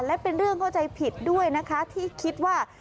และเป็นเรื่องเข้าใจผิดด้วยนะคะที่คิดว่า